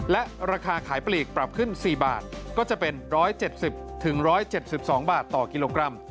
และราคาขายปลีกปรับขึ้น๔บาทก็จะเป็น๑๗๐๑๗๒บาทต่อกิโลกรัม